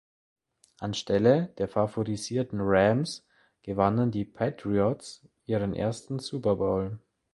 Anstelle der favorisierten Rams gewannen die Patriots ihren ersten Super Bowl.